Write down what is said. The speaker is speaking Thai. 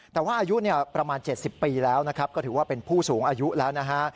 แต่ว่าอายุประมาณ๗๐ปีแล้วนะครับก็ถือว่าเป็นผู้สูงอายุแล้วนะฮะ